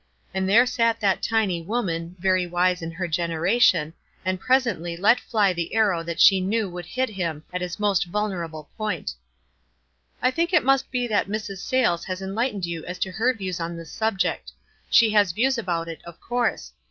And there sat that tiny woman, very wise in her generation, and pres ently let fly the arrow that she knew would hit him at his most vulnerable point, w fr I think it must be that Mrs. Sayles has en lightened you as to her views on this subject. She has views about it, of course.